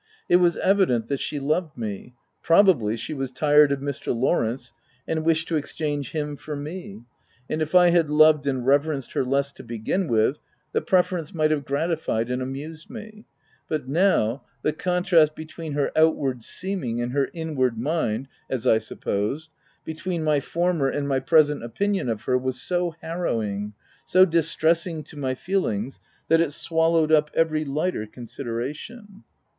It was evident she loved me — probably, she was tired of Mr. Lawrence, and wished to exchange him for me ; and if I had loved and reverenced her less to begin with, the preference might have gratified and amused me; but now, the contrast between her outward seeming and her inward mind, as I supposed, — between my former and my present opinion of her, was so harrowing — so distressing to my feelings, that it swallowed up every lighter con sideration.